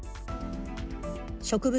植物